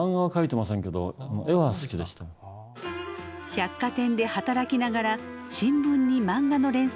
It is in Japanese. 百貨店で働きながら新聞に漫画の連載を始めたサトウさん。